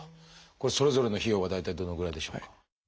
これそれぞれの費用は大体どのぐらいでしょうか？